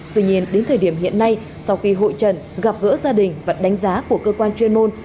tuy nhiên đến thời điểm hiện nay sau khi hội trần gặp gỡ gia đình và đánh giá của cơ quan chuyên môn